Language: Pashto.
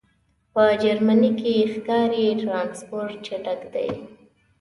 په جرمنی کی ښکاری ټرانسپورټ چټک دی